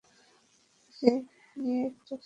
অপু ভাবিল-এর সঙ্গে কেউ খেলা করে না, একে নিয়ে একটু খেলি।